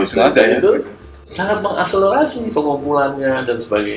sengaja itu sangat mengakselerasi pengumpulannya dan sebagainya